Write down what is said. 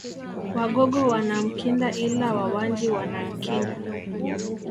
Wagogo wana Mkinda ila Wawanji wana Nkinda